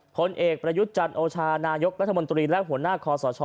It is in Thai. ผลเอกประยุทธ์จันโอชานายกรัฐมนตรีและหัวหน้าคอสช